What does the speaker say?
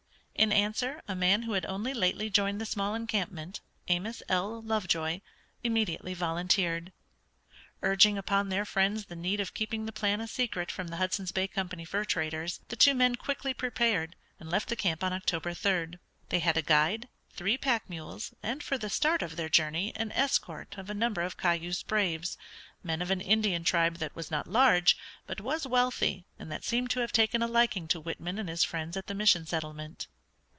In answer a man who had only lately joined the small encampment, Amos L. Lovejoy, immediately volunteered. Urging upon their friends the need of keeping the plan a secret from the Hudson's Bay Company fur traders, the two men quickly prepared, and left the camp on October 3d. They had a guide, three pack mules, and for the start of their journey an escort of a number of Cayuse braves, men of an Indian tribe that was not large, but was wealthy, and that seemed to have taken a liking to Whitman and his friends at the mission settlement.